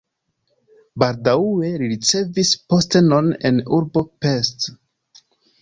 Baldaŭe li ricevis postenon en urbo Pest.